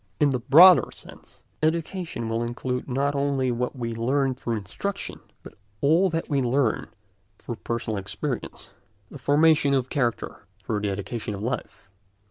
In the broader sense, education will include not only what we learn through instruction, but all that we learn through personal experience—the formation of character through the education of life.